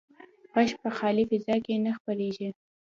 غږ په خالي فضا کې نه خپرېږي.